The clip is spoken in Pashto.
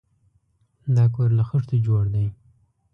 دا کور له خښتو جوړ دی.